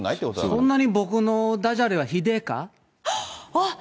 そんなに僕のダジャレはひでえか？